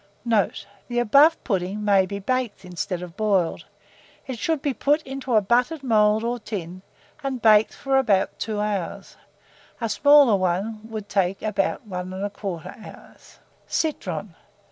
Note. The above pudding may be baked instead of boiled; it should be put into a buttered mould or tin, and baked for about 2 hours; a smaller one would take about 1 1/4 hour. CITRON.